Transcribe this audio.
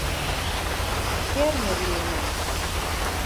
Фермер лийынам.